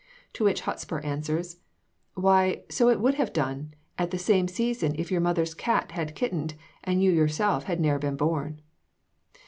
To which Hotspur answers: "Why, so it would have done, At the same season if your mother's cat Had kittened, and yourself had ne'er been born!"